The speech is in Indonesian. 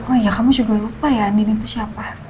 oh iya kamu juga lupa ya antin itu siapa